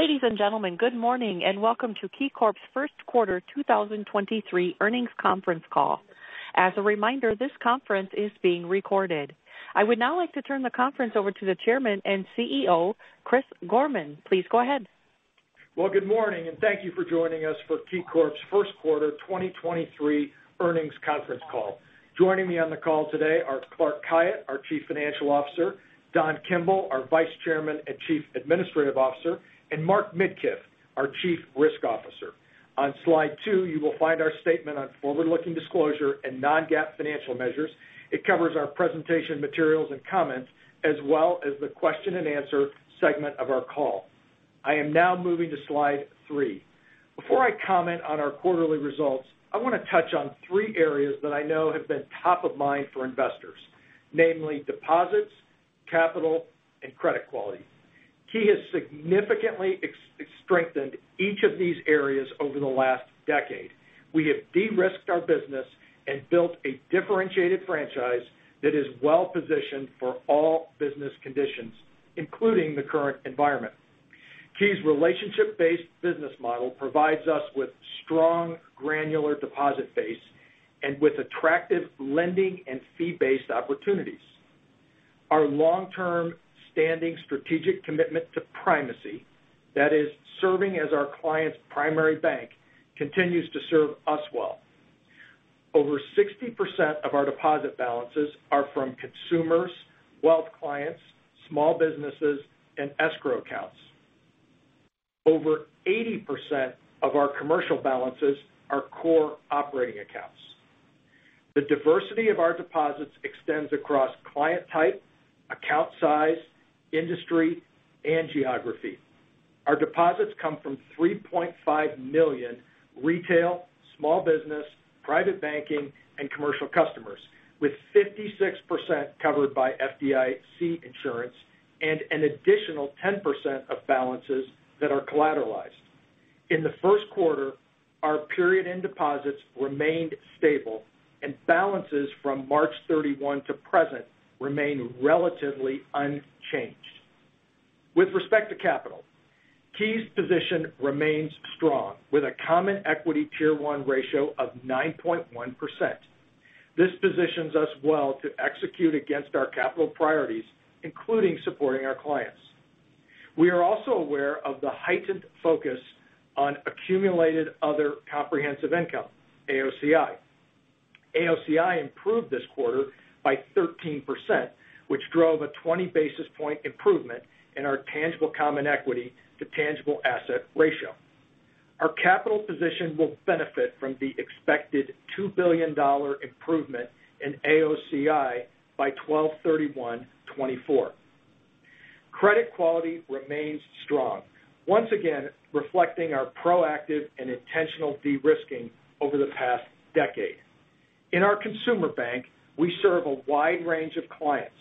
Ladies and gentlemen, good morning and welcome to KeyCorp's First Quarter 2023 Earnings Conference Call. As a reminder, this conference is being recorded. I would now like to turn the conference over to the Chairman and CEO, Chris Gorman. Please go ahead. Well, good morning and thank you for joining us for KeyCorp's First Quarter 2023 Earnings Conference Call. Joining me on the call today are Clark Khayat, our Chief Financial Officer, Don Kimble, our Vice Chairman and Chief Administrative Officer, and Mark Midkiff, our Chief Risk Officer. On slide two, you will find our statement on forward-looking disclosure and non-GAAP financial measures. It covers our presentation materials and comments as well as the question and answer segment of our call. I am now moving to slide three. Before I comment on our quarterly results, I want to touch on three areas that I know have been top of mind for investors, namely deposits, capital, and credit quality. Key has significantly strengthened each of these areas over the last decade. We have de-risked our business and built a differentiated franchise that is well-positioned for all business conditions, including the current environment. Key's relationship-based business model provides us with strong granular deposit base and with attractive lending and fee-based opportunities. Our long-term standing strategic commitment to primacy, that is, serving as our clients' primary bank continues to serve us well. Over 60% of our deposit balances are from consumers, wealth clients, small businesses, and escrow accounts. Over 80% of our commercial balances are core operating accounts. The diversity of our deposits extends across client type, account size, industry, and geography. Our deposits come from 3.5 million retail, small business, private banking, and commercial customers, with 56% covered by FDIC insurance and an additional 10% of balances that are collateralized. In the first quarter, our period-end deposits remained stable and balances from March 31 to present remain relatively unchanged. With respect to capital, Key's position remains strong with a common equity tier one ratio of 9.1%. This positions us well to execute against our capital priorities, including supporting our clients. We are also aware of the heightened focus on accumulated other comprehensive income, AOCI. AOCI improved this quarter by 13%, which drove a 20 basis point improvement in our tangible common equity to tangible asset ratio. Our capital position will benefit from the expected $2 billion improvement in AOCI by 12/31/2024. Credit quality remains strong, once again, reflecting our proactive and intentional de-risking over the past decade. In our consumer bank, we serve a wide range of clients.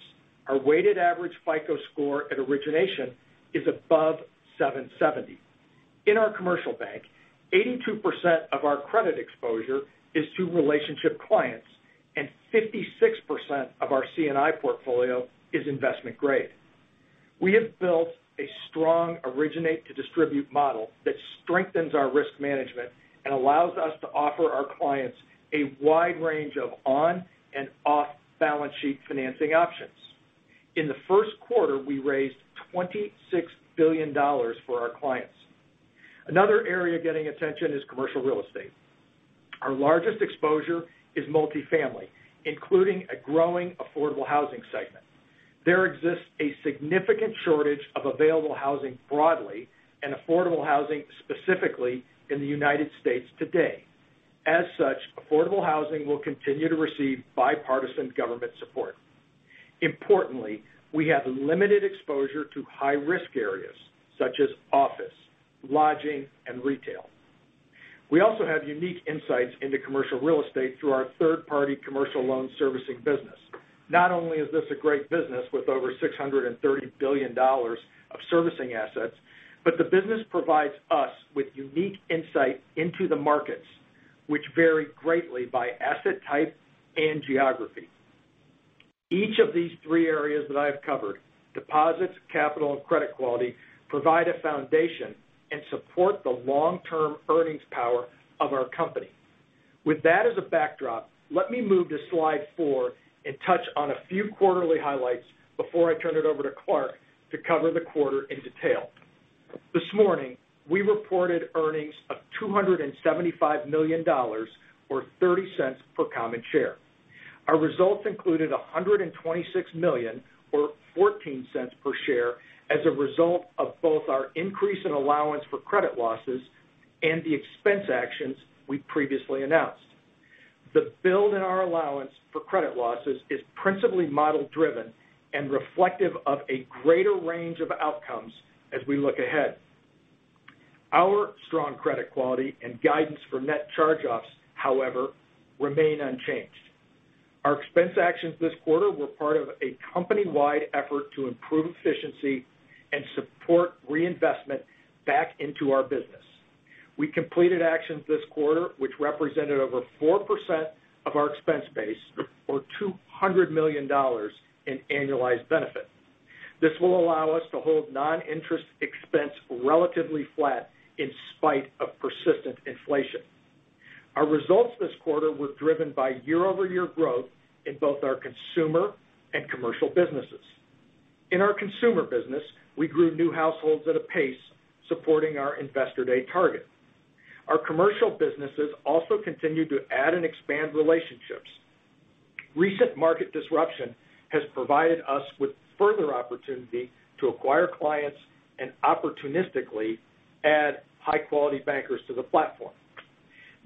Our weighted average FICO score at origination is above 770. In our commercial bank, 82% of our credit exposure is to relationship clients, and 56% of our C&I portfolio is investment-grade. We have built a strong originate-to-distribute model that strengthens our risk management and allows us to offer our clients a wide range of on and off-balance sheet financing options. In the first quarter, we raised $26 billion for our clients. Another area getting attention is commercial real estate. Our largest exposure is multifamily, including a growing affordable housing segment. There exists a significant shortage of available housing broadly and affordable housing specifically in the United States today. As such, affordable housing will continue to receive bipartisan government support. Importantly, we have limited exposure to high-risk areas such as office, lodging, and retail. We also have unique insights into commercial real estate through our third-party commercial loan servicing business. Not only is this a great business with over $630 billion of servicing assets, but the business provides us with unique insight into the markets, which vary greatly by asset type and geography. Each of these three areas that I have covered, deposits, capital, and credit quality, provide a foundation and support the long-term earnings power of our company. With that as a backdrop, let me move to slide 4 and touch on a few quarterly highlights before I turn it over to Clark to cover the quarter in detail. This morning, we reported earnings of $275 million, or $0.30 per common share. Our results included $126 million or $0.14 per share as a result of both our increase in allowance for credit losses and the expense actions we previously announced. The build in our allowance for credit losses is principally model-driven and reflective of a greater range of outcomes as we look ahead. Our strong credit quality and guidance for net charge-offs, however, remain unchanged. Our expense actions this quarter were part of a company-wide effort to improve efficiency and support reinvestment back into our business. We completed actions this quarter which represented over 4% of our expense base or $200 million in annualized benefit. This will allow us to hold non-interest expense relatively flat in spite of persistent inflation. Our results this quarter were driven by year-over-year growth in both our consumer and commercial businesses. In our consumer business, we grew new households at a pace supporting our investor day target. Our commercial businesses also continued to add and expand relationships. Recent market disruption has provided us with further opportunity to acquire clients and opportunistically add high-quality bankers to the platform.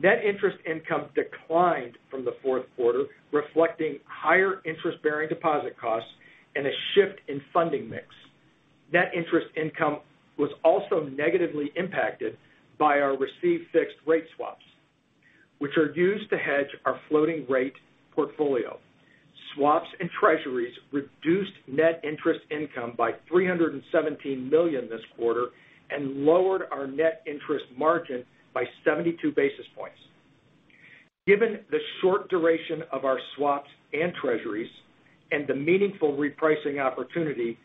Net interest income declined from the fourth quarter, reflecting higher interest-bearing deposit costs and a shift in funding mix. Net interest income was also negatively impacted by our received fixed rate swaps, which are used to hedge our floating rate portfolio. Swaps and Treasuries reduced net interest income by $317 million this quarter and lowered our net interest margin by 72 basis points. Given the short duration of our swaps and Treasuries and the meaningful repricing opportunity,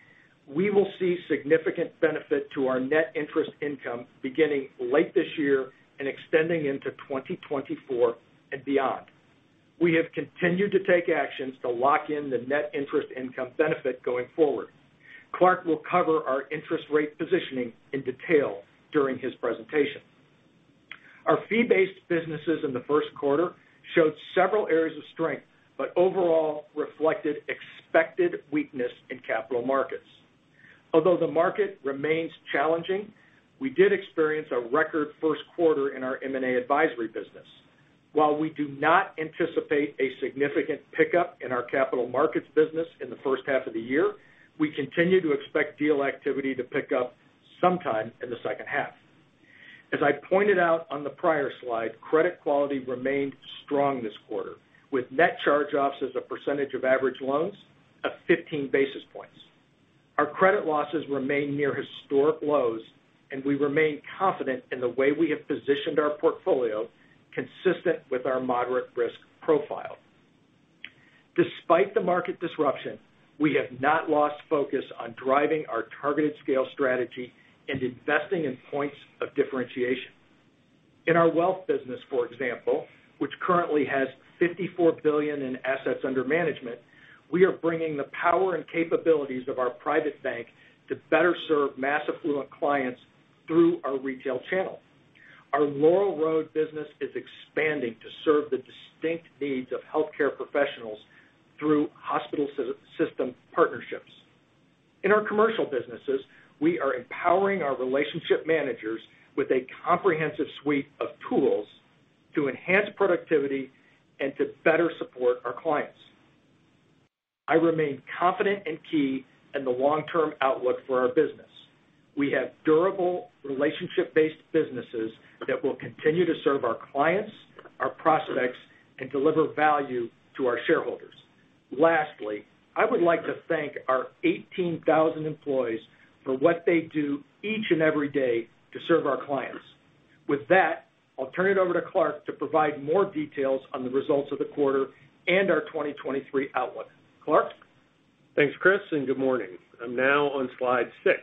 we will see significant benefit to our net interest income beginning late this year and extending into 2024 and beyond. We have continued to take actions to lock in the net interest income benefit going forward. Clark will cover our interest rate positioning in detail during his presentation. Our fee-based businesses in the first quarter showed several areas of strength, overall reflected expected weakness in capital markets. Although the market remains challenging, we did experience a record first quarter in our M&A advisory business. While we do not anticipate a significant pickup in our capital markets business in the first half of the year, we continue to expect deal activity to pick up sometime in the second half. As I pointed out on the prior slide, credit quality remained strong this quarter, with net charge-offs as a percentage of average loans of 15 basis points. Our credit losses remain near historic lows, we remain confident in the way we have positioned our portfolio consistent with our moderate risk profile. Despite the market disruption, we have not lost focus on driving our targeted scale strategy and investing in points of differentiation. In our wealth business, for example, which currently has $54 billion in assets under management, we are bringing the power and capabilities of our private bank to better serve mass affluent clients through our retail channel. Our Laurel Road business is expanding to serve the distinct needs of healthcare professionals through hospital system partnerships. In our commercial businesses, we are empowering our relationship managers with a comprehensive suite of tools to enhance productivity and to better support our clients. I remain confident in Key and the long-term outlook for our business. We have durable relationship-based businesses that will continue to serve our clients, our prospects, and deliver value to our shareholders. Lastly, I would like to thank our 18,000 employees for what they do each and every day to serve our clients. With that, I'll turn it over to Clark to provide more details on the results of the quarter and our 2023 outlook. Clark? Thanks, Chris. Good morning. I'm now on slide 6.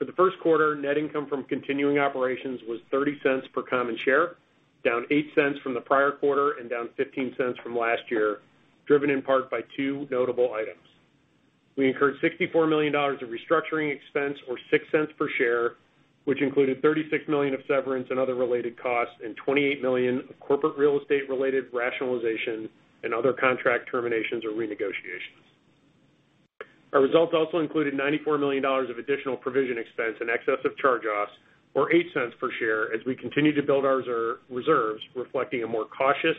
For the 1st quarter, net income from continuing operations was $0.30 per common share, down $0.08 from the prior quarter and down $0.15 from last year, driven in part by two notable items. We incurred $64 million of restructuring expense or $0.06 per share, which included $36 million of severance and other related costs, and $28 million of corporate real estate-related rationalization and other contract terminations or renegotiations. Our results also included $94 million of additional provision expense in excess of charge-offs or $0.08 per share as we continue to build our reserves, reflecting a more cautious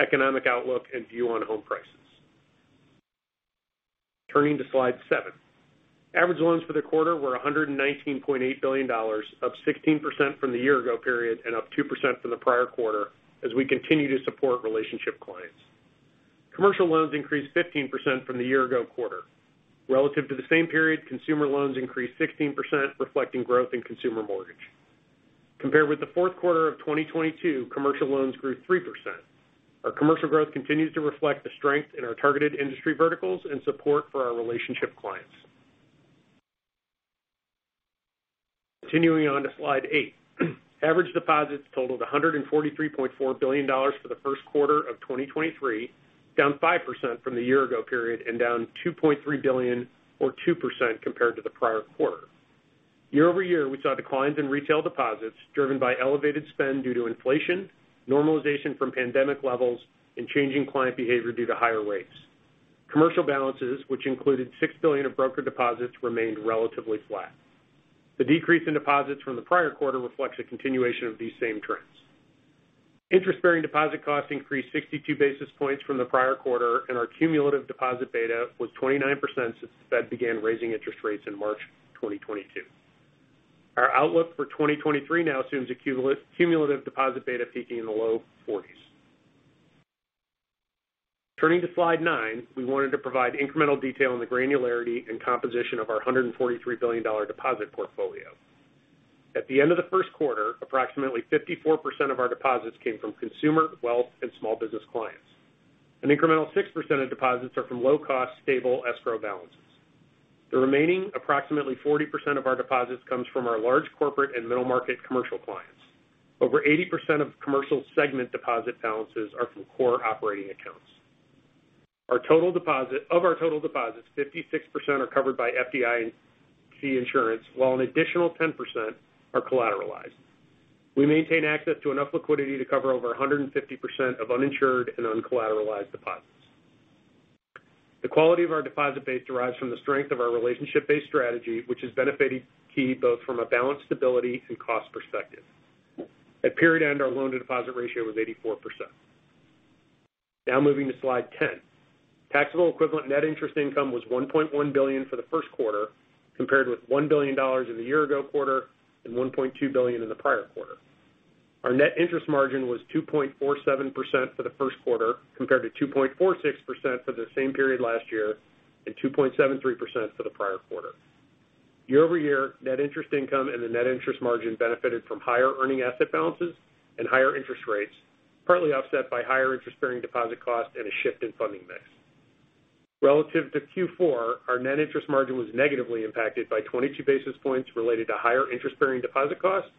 economic outlook and view on home prices. Turning to slide seven. Average loans for the quarter were $119.8 billion, up 16% from the year-ago period and up 2% from the prior quarter as we continue to support relationship clients. Commercial loans increased 15% from the year-ago quarter. Relative to the same period, consumer loans increased 16%, reflecting growth in consumer mortgage. Compared with the fourth quarter of 2022, commercial loans grew 3%. Our commercial growth continues to reflect the strength in our targeted industry verticals and support for our relationship clients. Continuing on to slide eight. Average deposits totaled $143.4 billion for the first quarter of 2023, down 5% from the year-ago period and down $2.3 billion or 2% compared to the prior quarter. Year-over-year, we saw declines in retail deposits driven by elevated spend due to inflation, normalization from pandemic levels, and changing client behavior due to higher rates. Commercial balances, which included $6 billion of broker deposits, remained relatively flat. The decrease in deposits from the prior quarter reflects a continuation of these same trends. Interest-bearing deposit costs increased 62 basis points from the prior quarter, our cumulative deposit beta was 29% since Fed began raising interest rates in March 2022. Our outlook for 2023 now assumes a cumulative deposit beta peaking in the low 40s. Turning to slide nine. We wanted to provide incremental detail on the granularity and composition of our $143 billion dollar deposit portfolio. At the end of the first quarter, approximately 54% of our deposits came from consumer, wealth, and small business clients. An incremental 6% of deposits are from low cost, stable escrow balances. The remaining approximately 40% of our deposits comes from our large corporate and middle market commercial clients. Over 80% of commercial segment deposit balances are from core operating accounts. Of our total deposits, 56% are covered by FDIC insurance, while an additional 10% are collateralized. We maintain access to enough liquidity to cover over 150% of uninsured and uncollateralized deposits. The quality of our deposit base derives from the strength of our relationship based strategy, which has benefited Key both from a balance, stability and cost perspective. At period end, our loan to deposit ratio was 84%. Moving to slide 10. Taxable equivalent net interest income was $1.1 billion for the first quarter, compared with $1 billion in the year ago quarter and $1.2 billion in the prior quarter. Our net interest margin was 2.47% for the first quarter, compared to 2.46% for the same period last year and 2.73% for the prior quarter. Year-over-year, net interest income and the net interest margin benefited from higher earning asset balances and higher interest rates, partly offset by higher interest bearing deposit costs and a shift in funding mix. Relative to Q4, our net interest margin was negatively impacted by 22 basis points related to higher interest-bearing deposit costs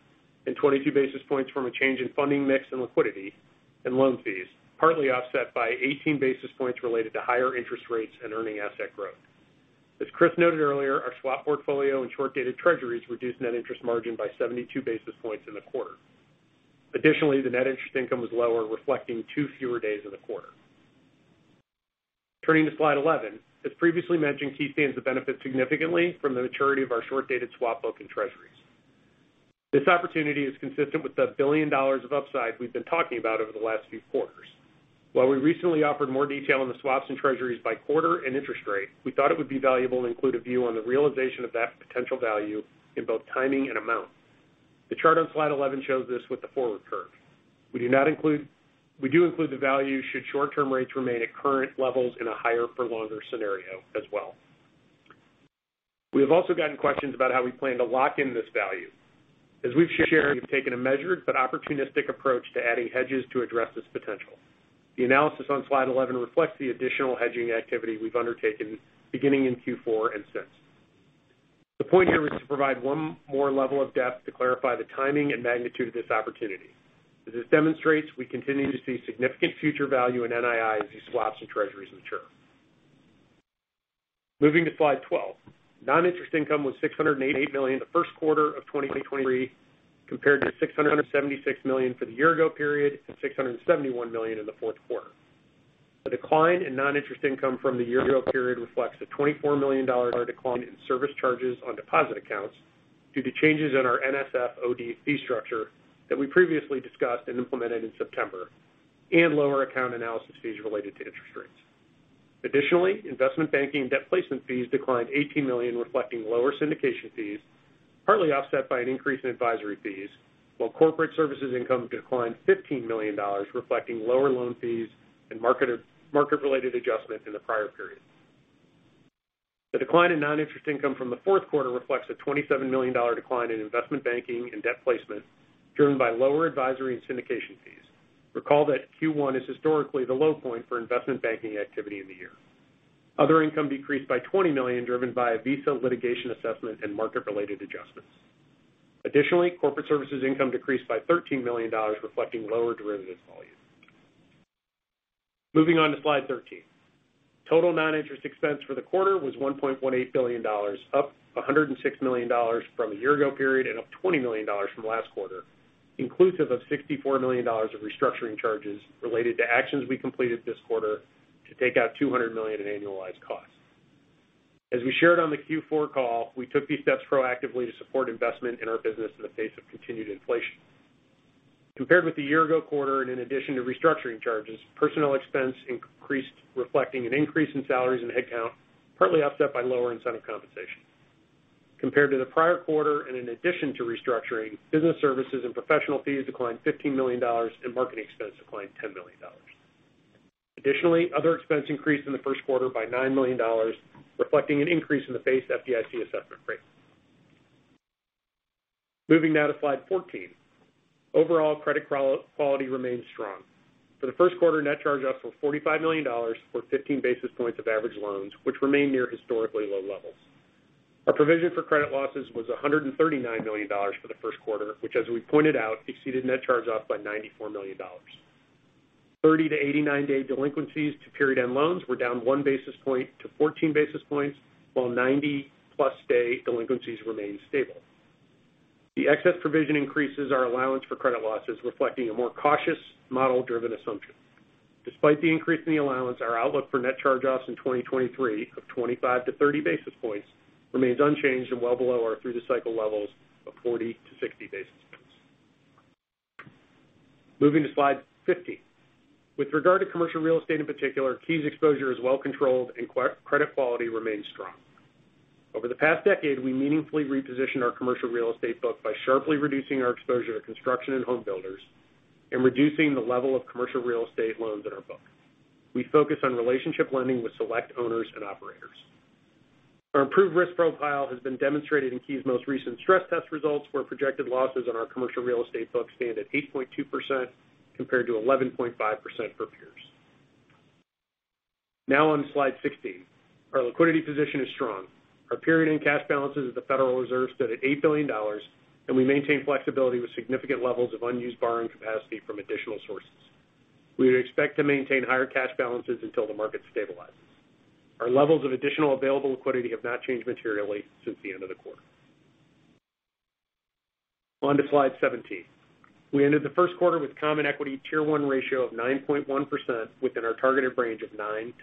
and 22 basis points from a change in funding mix and liquidity and loan fees, partly offset by 18 basis points related to higher interest rates and earning asset growth. As Chris noted earlier, our swap portfolio and short-dated Treasuries reduced net interest margin by 72 basis points in the quarter. The net interest income was lower, reflecting two fewer days in the quarter. Turning to slide 11. As previously mentioned, Key stands to benefit significantly from the maturity of our short-dated swap book and Treasuries. This opportunity is consistent with the $1 billion of upside we've been talking about over the last few quarters. While we recently offered more detail on the swaps and Treasuries by quarter and interest rate, we thought it would be valuable to include a view on the realization of that potential value in both timing and amount. The chart on slide 11 shows this with the forward curve. We do include the value should short term rates remain at current levels in a higher for longer scenario as well. We have also gotten questions about how we plan to lock in this value. As we've shared, we've taken a measured but opportunistic approach to adding hedges to address this potential. The analysis on slide 11 reflects the additional hedging activity we've undertaken beginning in Q4 and since. The point here is to provide one more level of depth to clarify the timing and magnitude of this opportunity. As this demonstrates, we continue to see significant future value in NII as these swaps and Treasuries mature. Moving to slide 12. Non-interest income was $688 million in the first quarter of 2023, compared to $676 million for the year-ago period and $671 million in the fourth quarter. The decline in non-interest income from the year-ago period reflects a $24 million decline in service charges on deposit accounts due to changes in our NSF OD fee structure that we previously discussed and implemented in September and lower account analysis fees related to interest rates. Investment banking debt placement fees declined $18 million, reflecting lower syndication fees, partly offset by an increase in advisory fees, while corporate services income declined $15 million, reflecting lower loan fees and market related adjustments in the prior period. The decline in non-interest income from the fourth quarter reflects a $27 million decline in investment banking and debt placement driven by lower advisory and syndication fees. Recall that Q1 is historically the low point for investment banking activity in the year. Other income decreased by $20 million, driven by a Visa litigation assessment and market related adjustments. Corporate services income decreased by $13 million, reflecting lower derivatives volume. Moving on to slide 13. Total non-interest expense for the quarter was $1.18 billion, up $106 million from the year-ago period and up $20 million from last quarter, inclusive of $64 million of restructuring charges related to actions we completed this quarter to take out $200 million in annualized costs. As we shared on the Q4 call, we took these steps proactively to support investment in our business in the face of continued inflation. Compared with the year ago quarter, and in addition to restructuring charges, personnel expense increased, reflecting an increase in salaries and headcount, partly offset by lower incentive compensation. Compared to the prior quarter, and in addition to restructuring, business services and professional fees declined $15 million and marketing expense declined $10 million. Additionally, other expense increased in the first quarter by $9 million, reflecting an increase in the base FDIC assessment rate. Moving now to slide 14. Overall credit quality remains strong. For the first quarter, net charge-offs were $45 million, or 15 basis points of average loans which remain near historically low levels. Our provision for credit losses was $139 million for the first quarter, which, as we pointed out, exceeded net charge-offs by $94 million. 30-89 day delinquencies to period end loans were down one basis point to 14 basis points, while 90+ day delinquencies remained stable. The excess provision increases our allowance for credit losses, reflecting a more cautious model driven assumption. Despite the increase in the allowance, our outlook for net charge-offs in 2023 of 25-30 basis points remains unchanged and well below our through the cycle levels of 40-60 basis points. Moving to slide 15. With regard to commercial real estate in particular, Key's exposure is well controlled and credit quality remains strong. Over the past decade, we meaningfully repositioned our commercial real estate book by sharply reducing our exposure to construction and home builders and reducing the level of commercial real estate loans in our book. We focus on relationship lending with select owners and operators. Our improved risk profile has been demonstrated in Key's most recent stress test results, where projected losses on our commercial real estate book stand at 8.2% compared to 11.5% for peers. On slide 16. Our liquidity position is strong. Our period end cash balances at the Federal Reserve stood at $8 billion, and we maintain flexibility with significant levels of unused borrowing capacity from additional sources. We would expect to maintain higher cash balances until the market stabilizes. Our levels of additional available liquidity have not changed materially since the end of the quarter. On to slide 17. We ended the first quarter with common equity tier one ratio of 9.1% within our targeted range of 9%-9.5%.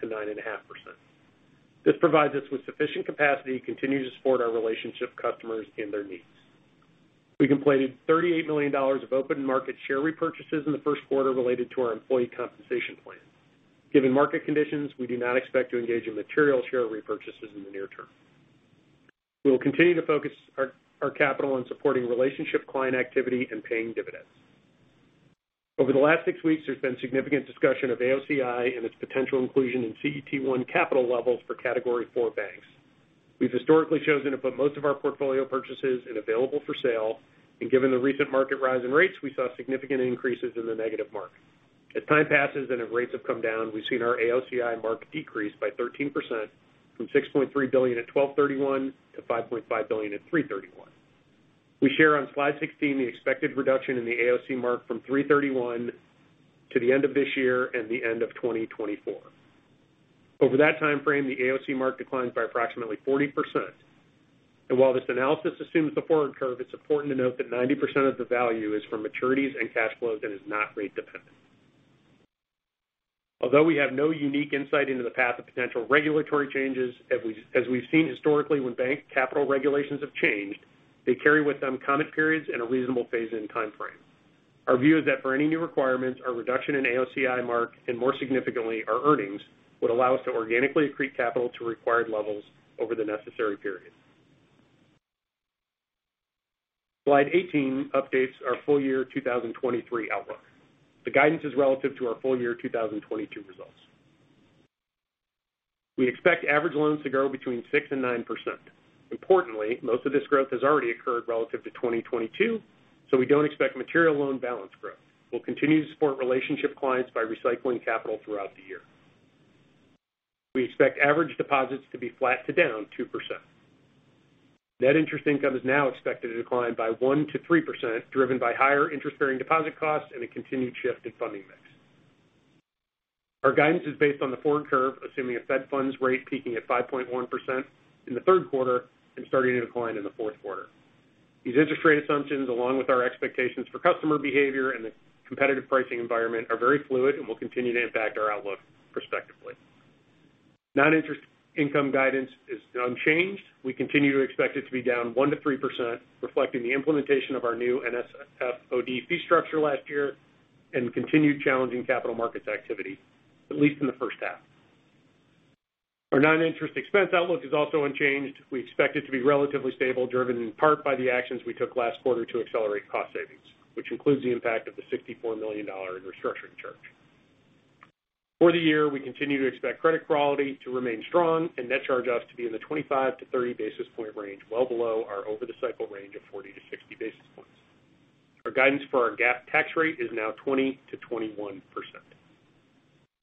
This provides us with sufficient capacity to continue to support our relationship customers and their needs. We completed $38 million of open market share repurchases in the first quarter related to our employee compensation plan. Given market conditions, we do not expect to engage in material share repurchases in the near term. We will continue to focus our capital on supporting relationship client activity and paying dividends. Over the last six weeks, there's been significant discussion of AOCI and its potential inclusion in CET1 capital levels for Category IV banks. We've historically chosen to put most of our portfolio purchases and available-for-sale, given the recent market rise in rates, we saw significant increases in the negative mark. As time passes and as rates have come down, we've seen our AOCI mark decrease by 13% from $6.3 billion at 12/31 to $5.5 billion at 3/31. We share on slide 16 the expected reduction in the AOCI mark from 3/31 to the end of this year and the end of 2024. Over that time frame, the AOCI mark declines by approximately 40%. While this analysis assumes the forward curve, it's important to note that 90% of the value is from maturities and cash flows and is not rate dependent. Although we have no unique insight into the path of potential regulatory changes, as we've seen historically when bank capital regulations have changed, they carry with them comment periods and a reasonable phase-in time frame. Our view is that for any new requirements, our reduction in AOCI mark, and more significantly, our earnings, would allow us to organically accrete capital to required levels over the necessary period. Slide 18 updates our full year 2023 outlook. The guidance is relative to our full year 2022 results. We expect average loans to grow between 6% and 9%. Importantly, most of this growth has already occurred relative to 2022, so we don't expect material loan balance growth. We'll continue to support relationship clients by recycling capital throughout the year. We expect average deposits to be flat to down 2%. Net interest income is now expected to decline by 1%-3%, driven by higher interest-bearing deposit costs and a continued shift in funding mix. Our guidance is based on the forward curve, assuming a federal funds rate peaking at 5.1% in the third quarter and starting to decline in the fourth quarter. These interest rate assumptions, along with our expectations for customer behavior and the competitive pricing environment, are very fluid and will continue to impact our outlook prospectively. Non-interest income guidance is unchanged. We continue to expect it to be down 1%-3%, reflecting the implementation of our new NSF OD fee structure last year and continued challenging capital markets activity, at least in the first half. Our non-interest expense outlook is also unchanged. We expect it to be relatively stable, driven in part by the actions we took last quarter to accelerate cost savings, which includes the impact of the $64 million in restructuring charge. For the year, we continue to expect credit quality to remain strong and net charge-offs to be in the 25-30 basis point range, well below our over the cycle range of 40-60 basis points. Our guidance for our GAAP tax rate is now 20%-21%.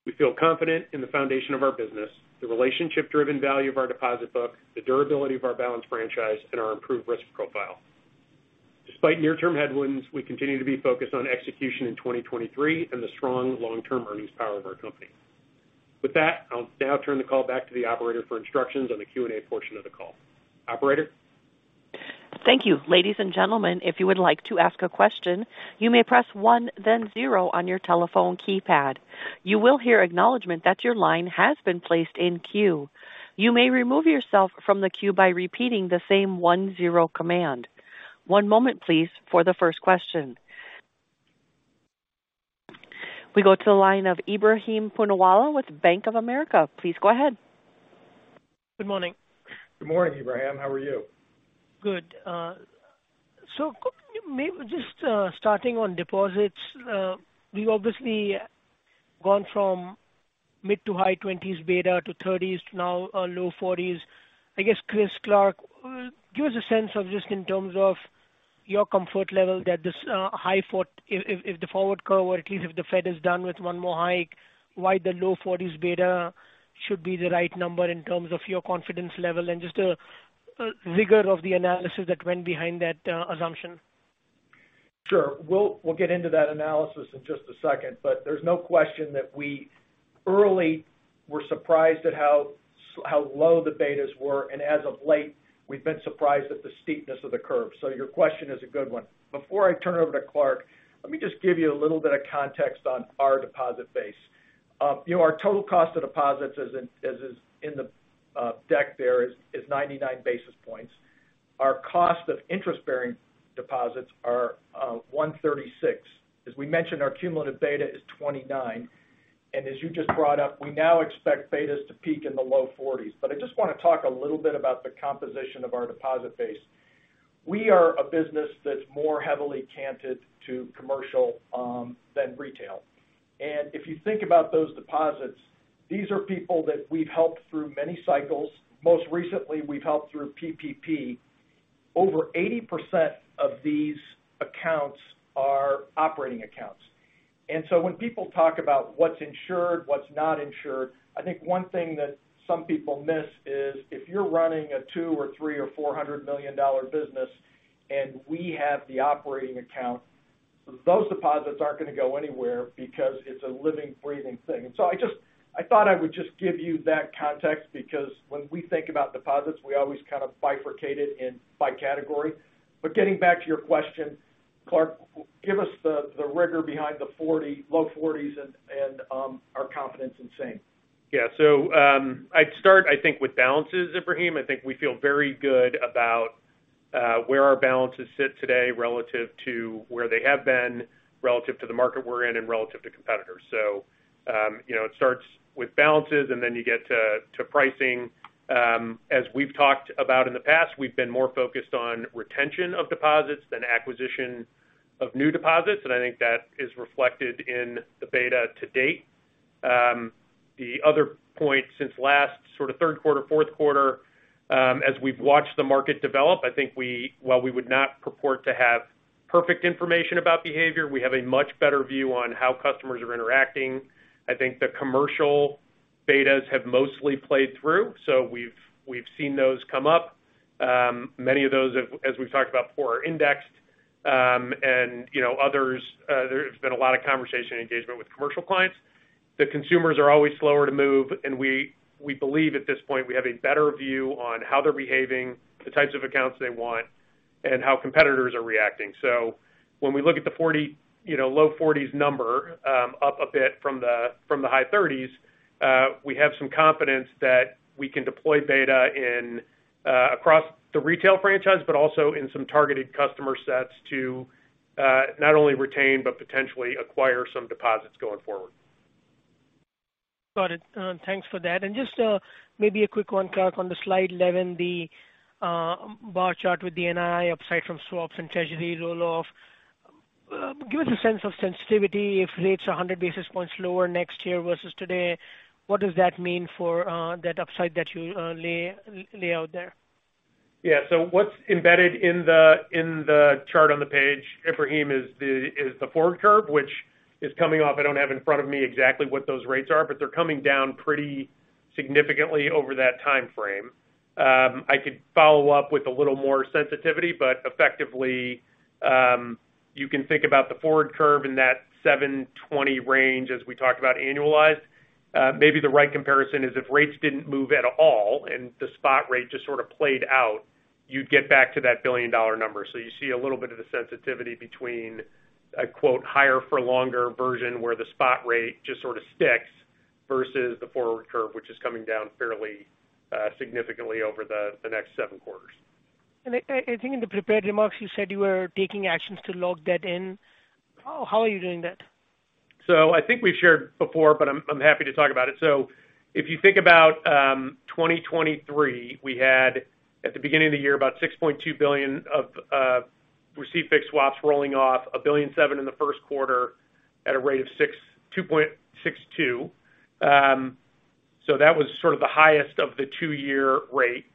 We feel confident in the foundation of our business, the relationship-driven value of our deposit book, the durability of our balance franchise, and our improved risk profile. Despite near-term headwinds, we continue to be focused on execution in 2023 and the strong long-term earnings power of our company. With that, I'll now turn the call back to the operator for instructions on the Q&A portion of the call. Operator? Thank you. Ladies and gentlemen, if you would like to ask a question, you may press one then zero on your telephone keypad. You will hear acknowledgment that your line has been placed in queue. You may remove yourself from the queue by repeating the same one zero command. One moment please for the first question. We go to the line of Ebrahim Poonawala with Bank of America. Please go ahead. Good morning. Good morning, Ebrahim. How are you? Good. Maybe just starting on deposits. We've obviously gone from mid to high 20s beta to 30s to now, low 40s. I guess, Chris, Clark, give us a sense of just in terms of your comfort level that this high 40s if the forward curve, or at least if the Fed is done with one more hike, why the low 40s beta should be the right number in terms of your confidence level and just the rigor of the analysis that went behind that assumption. Sure. We'll get into that analysis in just a second, there's no question that we early were surprised at how low the betas were, and as of late, we've been surprised at the steepness of the curve. Your question is a good one. Before I turn it over to Clark, let me just give you a little bit of context on our deposit base. You know, our total cost of deposits as is in the deck there is 99 basis points. Our cost of interest-bearing deposits are 136 basis points. As we mentioned, our cumulative beta is 29 As you just brought up, we now expect betas to peak in the low 40s. I just want to talk a little bit about the composition of our deposit base. We are a business that's more heavily canted to commercial than retail. If you think about those deposits, these are people that we've helped through many cycles. Most recently, we've helped through PPP. Over 80% of these accounts are operating accounts. So when people talk about what's insured, what's not insured, I think one thing that some people miss is if you're running a two or three or $400 million business and we have the operating account, those deposits aren't going to go anywhere because it's a living, breathing thing. I thought I would just give you that context, because when we think about deposits, we always kind of bifurcate it in by category. Getting back to your question, Clark, give us the rigor behind the low 40s and our confidence in same. I'd start, I think, with balances, Ebrahim. I think we feel very good about where our balances sit today relative to where they have been, relative to the market we're in and relative to competitors. You know, it starts with balances, and then you get to pricing. As we've talked about in the past, we've been more focused on retention of deposits than acquisition of new deposits, and I think that is reflected in the beta to date. The other point since last sort of third quarter, fourth quarter, as we've watched the market develop, while we would not purport to have perfect information about behavior, we have a much better view on how customers are interacting. I think the commercial betas have mostly played through, so we've seen those come up. Many of those have, as we've talked about before, are indexed, and, you know, others, there's been a lot of conversation and engagement with commercial clients. The consumers are always slower to move, and we believe at this point we have a better view on how they're behaving, the types of accounts they want, and how competitors are reacting. When we look at the 40, you know, low 40s number, up a bit from the, from the high 30s, we have some confidence that we can deploy beta in, across the retail franchise, but also in some targeted customer sets to not only retain, but potentially acquire some deposits going forward. Got it. Thanks for that. Just maybe a quick one, Clark. On the slide 11, the bar chart with the NII upside from swaps and Treasury roll-off. Give us a sense of sensitivity if rates are 100 basis points lower next year versus today. What does that mean for that upside that you lay out there? Yeah. What's embedded in the chart on the page, Ebrahim, is the forward curve, which is coming off. I don't have in front of me exactly what those rates are, but they're coming down pretty significantly over that timeframe. I could follow up with a little more sensitivity, but effectively, you can think about the forward curve in that 720 range as we talked about annualized. Maybe the right comparison is if rates didn't move at all and the spot rate just sort of played out, you'd get back to that billion-dollar number. You see a little bit of the sensitivity between a quote higher for longer version where the spot rate just sort of sticks versus the forward curve, which is coming down fairly significantly over the next seven quarters. I think in the prepared remarks, you said you were taking actions to lock that in. How are you doing that? I think we've shared before, but I'm happy to talk about it. If you think about 2023, we had, at the beginning of the year, about $6.2 billion of receive-fixed swaps rolling off, $1.7 billion in the first quarter at a rate of 2.62%. That was sort of the highest of the two-year rate.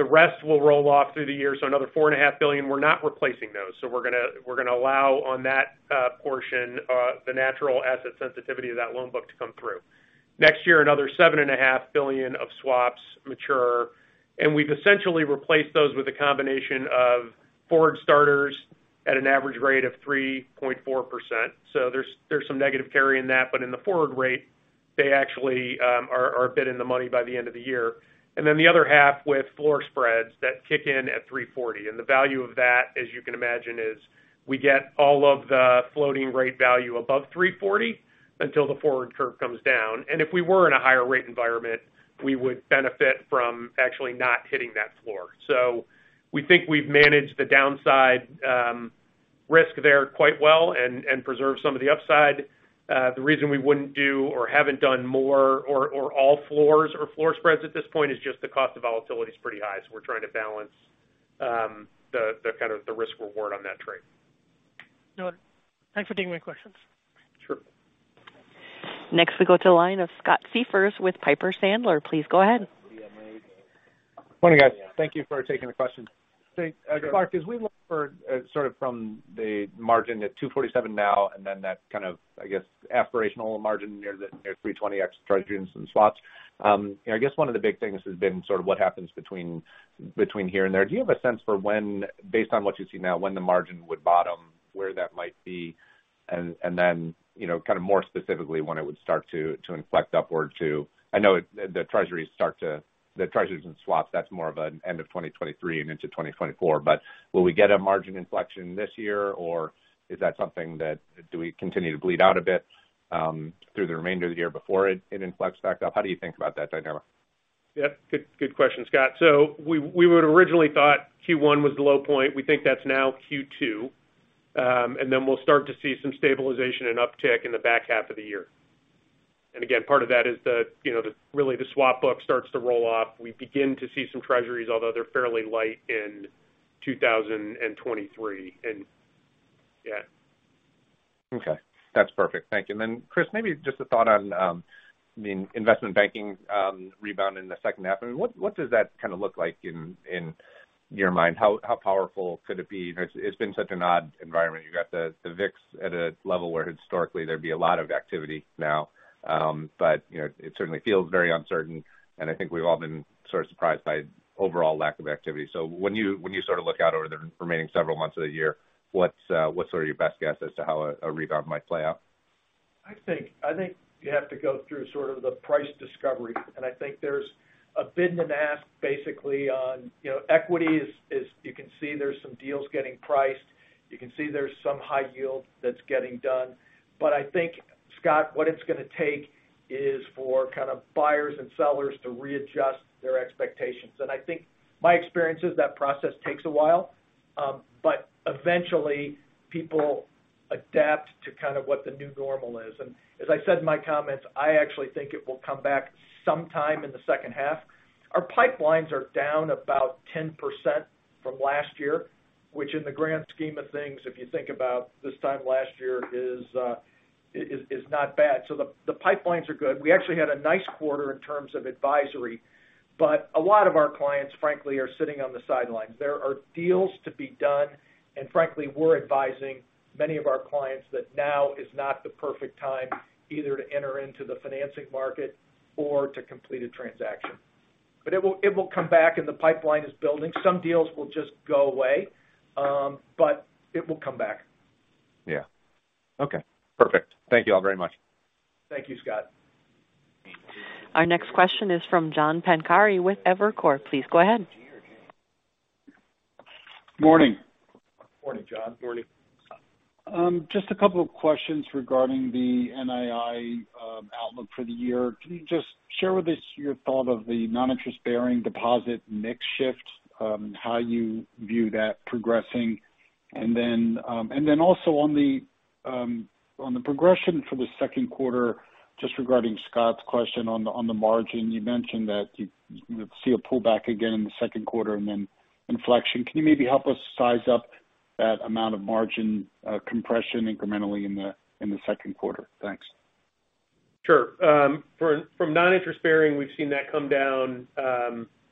The rest will roll off through the year, another $4.5 billion. We're not replacing those. We're gonna allow on that portion the natural asset sensitivity of that loan book to come through. Next year, another $7.5 billion of swaps mature. We've essentially replaced those with a combination of forward starters at an average rate of 3.4%. There's some negative carry in that. In the forward rate, they actually are a bit in the money by the end of the year. The other half with floor spreads that kick in at 340. The value of that, as you can imagine, is we get all of the floating rate value above 340 until the forward curve comes down. If we were in a higher rate environment, we would benefit from actually not hitting that floor. We think we've managed the downside risk there quite well and preserved some of the upside. The reason we wouldn't do or haven't done more or all floors or floor spreads at this point is just the cost of volatility is pretty high. We're trying to balance the kind of the risk reward on that trade. Got it. Thanks for taking my questions. Sure. Next we go to the line of Scott Siefers with Piper Sandler. Please go ahead. Morning, guys. Thank you for taking the question. Clark, as we look for sort of from the margin at 2.47% now and then that kind of, I guess, aspirational margin near the 3.20% extra treasuries and swaps, I guess one of the big things has been sort of what happens between here and there. Do you have a sense for when, based on what you see now, when the margin would bottom, where that might be, and then, you know, kind of more specifically, when it would start to inflect upward to. I know the treasuries and swaps, that's more of an end of 2023 and into 2024. Will we get a margin inflection this year, or is that something that do we continue to bleed out a bit through the remainder of the year before it inflects back up? How do you think about that dynamic? Yep. Good question, Scott. We would originally thought Q1 was the low point. We think that's now Q2. We'll start to see some stabilization and uptick in the back half of the year. Again, part of that is the, you know, really the swap book starts to roll off. We begin to see some treasuries, although they're fairly light in 2023. Yeah. Okay. That's perfect. Thank you. Chris, maybe just a thought on, I mean, investment banking, rebound in the second half. I mean, what does that kind of look like in your mind? How, how powerful could it be? You know, it's been such an odd environment. You got the VIX at a level where historically there'd be a lot of activity now. You know, it certainly feels very uncertain, and I think we've all been sort of surprised by overall lack of activity. When you, when you sort of look out over the remaining several months of the year, what's sort of your best guess as to how a rebound might play out? I think you have to go through sort of the price discovery. I think there's a bid and ask basically on, you know, equities is, you can see there's some deals getting priced. You can see there's some high yield that's getting done. I think, Scott, what it's gonna take is for kind of buyers and sellers to readjust their expectations. I think my experience is that process takes a while, but eventually people adapt to kind of what the new normal is. As I said in my comments, I actually think it will come back sometime in the second half. Our pipelines are down about 10% from last year, which in the grand scheme of things, if you think about this time last year, is not bad. The pipelines are good. We actually had a nice quarter in terms of advisory. A lot of our clients, frankly, are sitting on the sidelines. There are deals to be done. Frankly, we're advising many of our clients that now is not the perfect time either to enter into the financing market or to complete a transaction. It will come back and the pipeline is building. Some deals will just go away. It will come back. Okay. Perfect. Thank you all very much. Thank you, Scott. Our next question is from John Pancari with Evercore. Please go ahead. Morning. Morning, John. Morning. Just a couple of questions regarding the NII outlook for the year. Can you just share with us your thought of the non-interest-bearing deposit mix shift, how you view that progressing? Then, and then also on the progression for the second quarter, just regarding Scott's question on the margin, you know, see a pullback again in the second quarter and then inflection. Can you maybe help us size up that amount of margin compression incrementally in the second quarter? Thanks. Sure. From non-interest-bearing, we've seen that come down,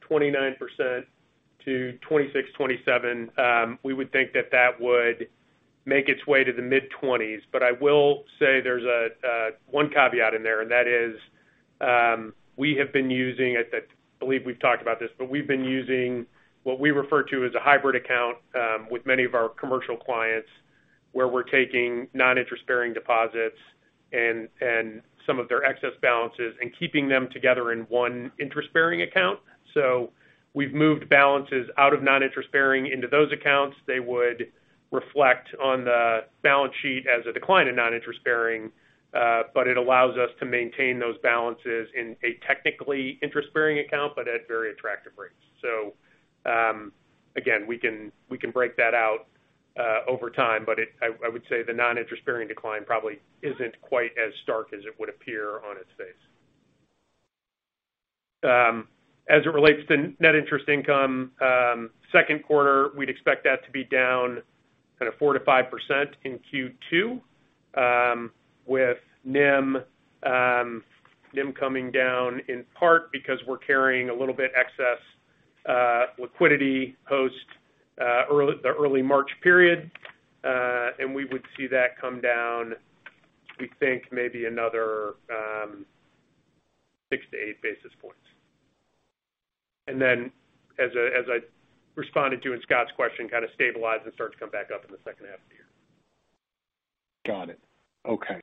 29%-26%, 27%. We would think that that would make its way to the mid-20s. I will say there's a one caveat in there, and that is, we have been using it. I believe we've talked about this, but we've been using what we refer to as a hybrid account with many of our commercial clients, where we're taking non-interest-bearing deposits and some of their excess balances and keeping them together in one interest-bearing account. We've moved balances out of non-interest-bearing into those accounts. They would reflect on the balance sheet as a decline in non-interest-bearing, but it allows us to maintain those balances in a technically interest-bearing account, but at very attractive rates. Again, we can break that out over time. I would say the non-interest bearing decline probably isn't quite as stark as it would appear on its face. As it relates to net interest income, second quarter, we'd expect that to be down kind of 4%-5% in Q2, with NIM coming down in part because we're carrying a little bit excess liquidity post the early March period. We would see that come down, we think maybe another 6-8 basis points. As I responded to in Scott's question, kind of stabilize and start to come back up in the second half of the year. Got it. Okay.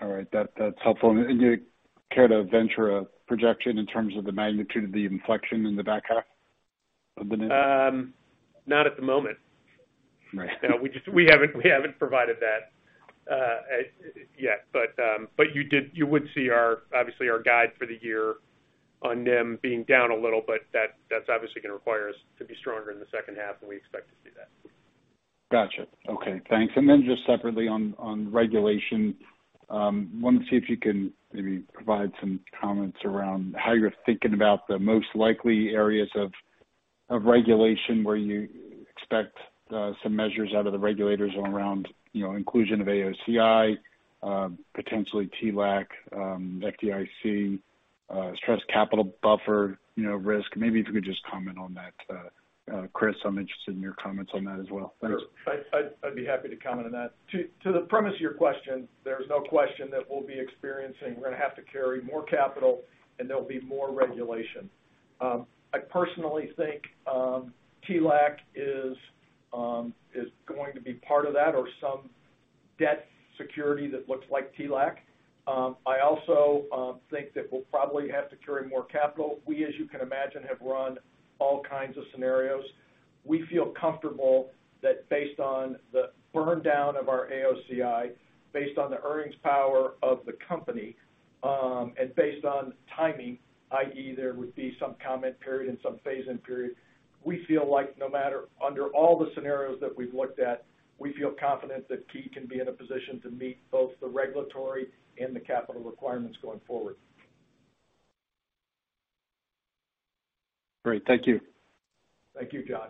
All right. That's helpful. You care to venture a projection in terms of the magnitude of the inflection in the back half of the NIM? Not at the moment. Right. No, we haven't provided that as yet. You would see our, obviously our guide for the year on NIM being down a little, but that's obviously going to require us to be stronger in the second half, and we expect to see that. Gotcha. Okay, thanks. Just separately on regulation, wanted to see if you can maybe provide some comments around how you're thinking about the most likely areas of regulation where you expect some measures out of the regulators around, you know, inclusion of AOCI, potentially TLAC, FDIC, stress capital buffer, you know, risk. Maybe if you could just comment on that. Chris, I'm interested in your comments on that as well. Thanks. Sure. I'd be happy to comment on that. To the premise of your question, there's no question that we're gonna have to carry more capital and there'll be more regulation. I personally think TLAC is going to be part of that or some debt security that looks like TLAC. I also think that we'll probably have to carry more capital. We, as you can imagine, have run all kinds of scenarios. We feel comfortable that based on the burn down of our AOCI, based on the earnings power of the company, and based on timing, i.e., there would be some comment period and some phase-in period. We feel like no matter under all the scenarios that we've looked at, we feel confident that Key can be in a position to meet both the regulatory and the capital requirements going forward. Great. Thank you. Thank you, John.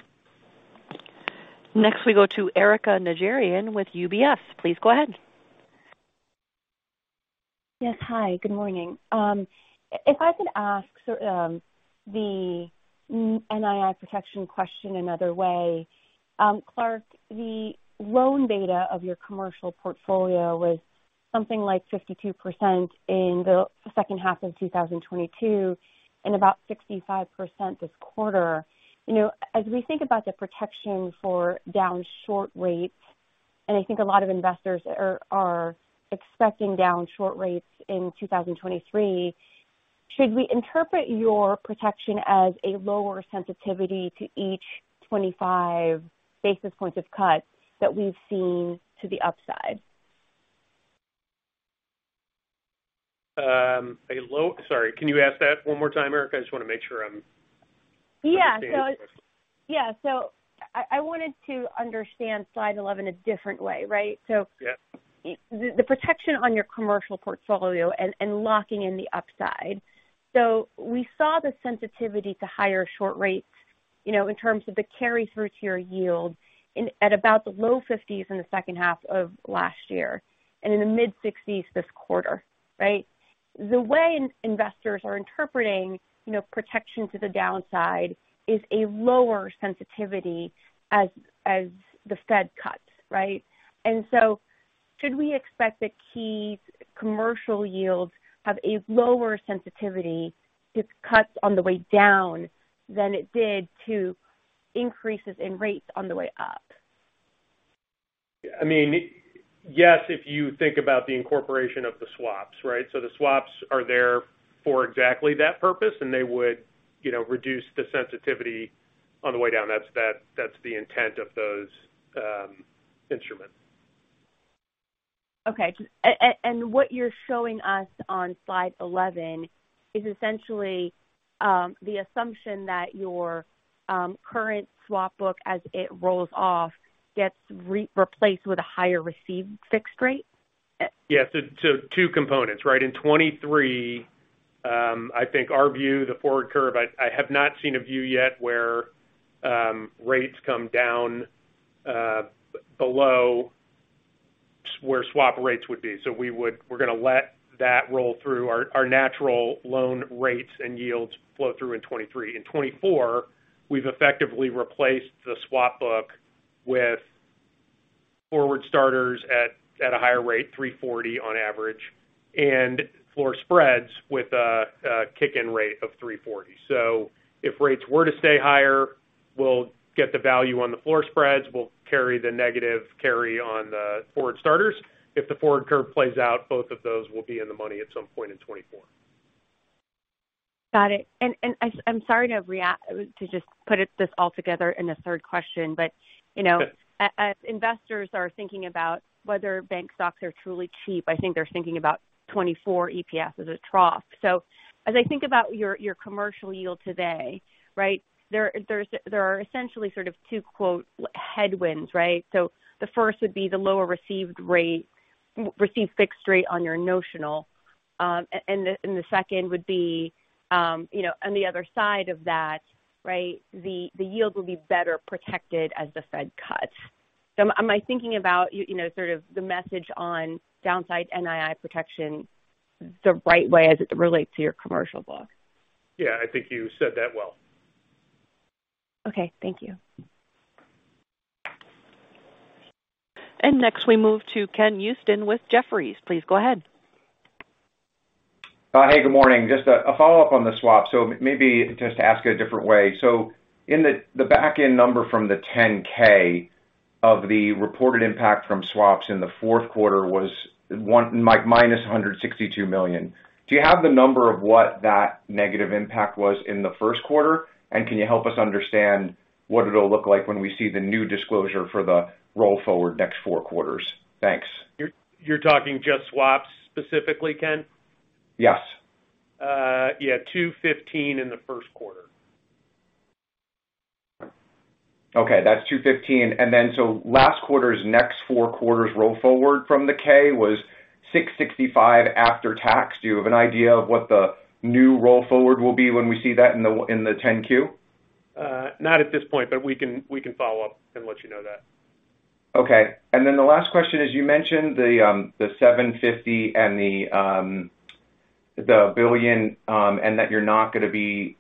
Next, we go to Erika Najarian with UBS. Please go ahead. Yes, hi. Good morning. If I could ask the NII protection question another way. Clark, the loan data of your commercial portfolio was something like 52% in the second half of 2022 and about 65% this quarter. You know, as we think about the protection for down short rates, and I think a lot of investors are expecting down short rates in 2023, should we interpret your protection as a lower sensitivity to each 25 basis points of cuts that we've seen to the upside? Sorry. Can you ask that one more time, Erika? I just want to make sure. Yeah. Understanding the question. Yeah. I wanted to understand slide 11 a different way, right? Yeah. The protection on your commercial portfolio and locking in the upside. We saw the sensitivity to higher short rates, you know, in terms of the carry through to your yield at about the low 50s in the second half of last year and in the mid-60s this quarter, right? The way investors are interpreting, you know, protection to the downside is a lower sensitivity as the Fed cuts, right? Should we expect that Key's commercial yields have a lower sensitivity to cuts on the way down than it did to increases in rates on the way up? I mean, yes, if you think about the incorporation of the swaps, right? The swaps are there for exactly that purpose, and they would, you know, reduce the sensitivity on the way down. That's the intent of those instruments. Okay. What you're showing us on slide 11 is essentially, the assumption that your current swap book as it rolls off, gets re-replaced with a higher received fixed rate? Two components, right? In 2023, I think our view, the forward curve, I have not seen a view yet where rates come down below where swap rates would be. We're going to let that roll through our natural loan rates and yields flow through in 2023. In 2024, we've effectively replaced the swap book with forward starters at a higher rate, 3.40 on average, and floor spreads with a kick in rate of 3.40. If rates were to stay higher, we'll get the value on the floor spreads. We'll carry the negative carry on the forward starters. If the forward curve plays out, both of those will be in the money at some point in 2024. Got it. I'm sorry to just put it this all together in a third question. It's okay. You know, as investors are thinking about whether bank stocks are truly cheap, I think they're thinking about 24 EPS as a trough. As I think about your commercial yield today, right? There are essentially sort of 2 quote, headwinds, right? The first would be the lower received fixed rate on your notional. The second would be, you know, on the other side of that, right, the yield will be better protected as the Fed cuts. Am I thinking about, you know, sort of the message on downside NII protection the right way as it relates to your commercial book? Yeah, I think you said that well. Okay. Thank you. Next, we move to Ken Houston with Jefferies. Please go ahead. Hey, good morning. Just a follow-up on the swap. Maybe just to ask it a different way. In the back end number from the Form 10-K of the reported impact from swaps in the fourth quarter was minus $162 million. Do you have the number of what that negative impact was in the first quarter? Can you help us understand what it'll look like when we see the new disclosure for the roll forward next four quarters? Thanks. You're talking just swaps specifically, Ken? Yes. Yeah, $2.15 in the first quarter. Okay, that's $215. Last quarter's next four quarters roll forward from the K was $665 after tax. Do you have an idea of what the new roll forward will be when we see that in the Form 10-Q? Not at this point, but we can follow up and let you know that. The last question is, you mentioned the $750 and the $1 billion, and that you're not going to be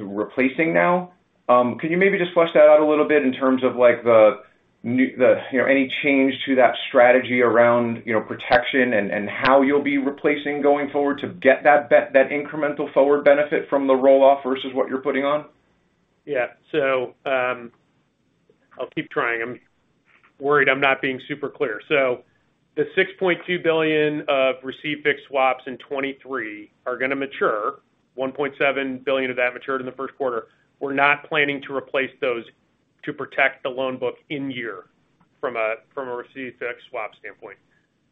replacing now. Can you maybe just flesh that out a little bit in terms of like the, you know, any change to that strategy around, you know, protection and how you'll be replacing going forward to get that incremental forward benefit from the roll-off versus what you're putting on? I'll keep trying. I'm worried I'm not being super clear. The $6.2 billion of receive-fixed swaps in 2023 are gonna mature. $1.7 billion of that matured in the first quarter. We're not planning to replace those to protect the loan book in year from a receive-fixed swap standpoint.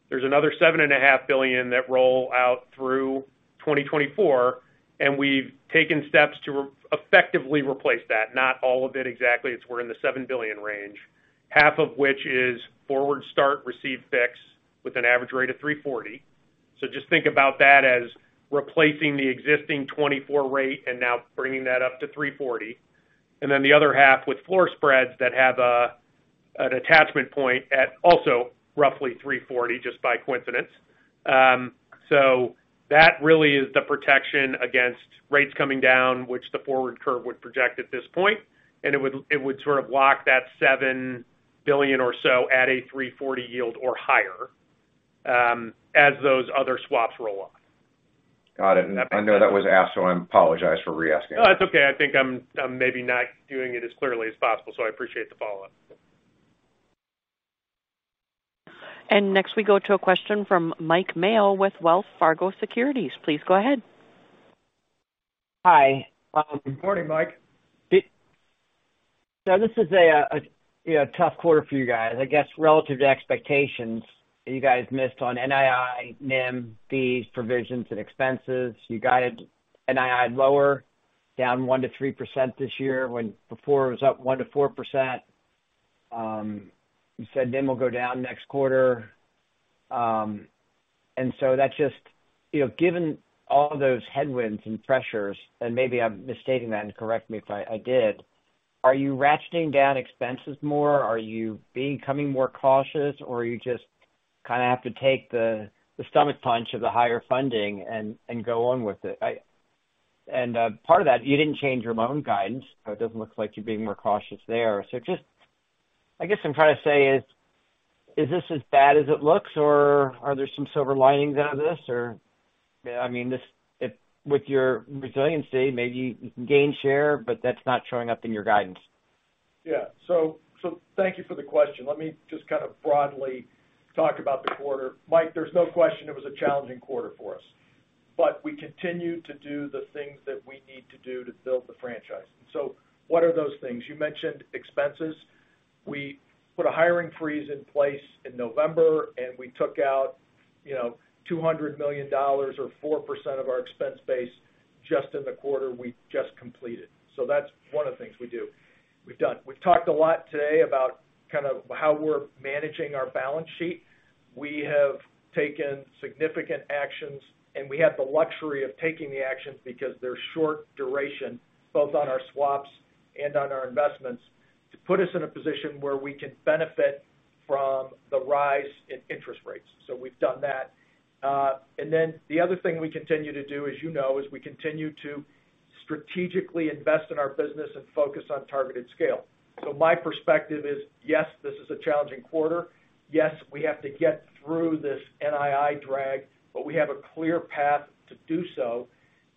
There's another $7.5 billion that roll out through 2024, we've taken steps to effectively replace that. Not all of it exactly as we're in the $7 billion range, half of which is forward start receive-fixed with an average rate of 3.40. Just think about that as replacing the existing 2024 rate and now bringing that up to 3.40. The other half with floor spreads that have an attachment point at also roughly 3.40 just by coincidence. That really is the protection against rates coming down, which the forward curve would project at this point. It would sort of lock that $7 billion or so at a 3.40 yield or higher, as those other swaps roll off. Got it. I know that was asked, so I apologize for re-asking. That's okay. I think I'm maybe not doing it as clearly as possible. I appreciate the follow-up. Next, we go to a question from Mike Mayo with Wells Fargo Securities. Please go ahead. Hi. Good morning, Mike. This is a, you know, tough quarter for you guys. I guess relative to expectations, you guys missed on NII, NIM, fees, provisions, and expenses. You guided NII lower, down 1%-3% this year when before it was up 1%-4%. You said NIM will go down next quarter. You know, given all those headwinds and pressures, and maybe I'm misstating that and correct me if I did, are you ratcheting down expenses more? Are you becoming more cautious, or are you just kind of have to take the stomach punch of the higher funding and go on with it? Part of that, you didn't change your loan guidance, it doesn't look like you're being more cautious there. I guess I'm trying to say is this as bad as it looks, or are there some silver linings out of this? Or, I mean, this with your resiliency, maybe you can gain share, but that's not showing up in your guidance. Yeah. Thank you for the question. Let me just kind of broadly talk about the quarter. Mike, there's no question it was a challenging quarter for us, but we continue to do the things that we need to do to build the franchise. What are those things? You mentioned expenses. We put a hiring freeze in place in November, and we took out, you know, $200 million or 4% of our expense base just in the quarter we just completed. That's one of the things we do. We've done. We've talked a lot today about kind of how we're managing our balance sheet. We have taken significant actions, and we have the luxury of taking the actions because they're short duration, both on our swaps and on our investments, to put us in a position where we can benefit from the rise in interest rates. We've done that. The other thing we continue to do, as you know, is we continue to strategically invest in our business and focus on targeted scale. My perspective is, yes, this is a challenging quarter. Yes, we have to get through this NII drag, but we have a clear path to do so.